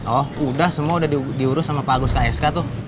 oh udah semua udah diurus sama pak agus ksk tuh